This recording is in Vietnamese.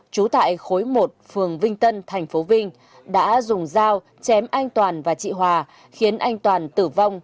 trú tại khối một phường vinh tân tp vinh đã dùng dao chém anh toàn và chị hòa khiến anh toàn tử vong